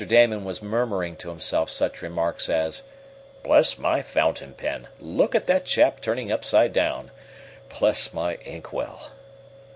Damon was murmuring to himself such remarks as: "Bless my fountain pen! look at that chap turning upside down! Bless my inkwell!"